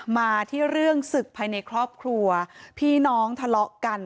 มาที่เรื่องศึกภายในครอบครัวพี่น้องทะเลาะกัน